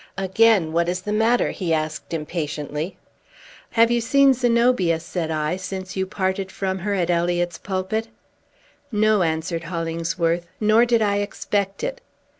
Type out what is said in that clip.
"Again, what is the matter?" he asked impatiently. "Have you seen Zenobia," said I, "since you parted from her at Eliot's pulpit?" "No," answered Hollingsworth; "nor did I expect it."